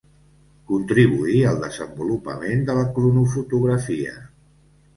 Contribuí al desenvolupament de la cronofotografia.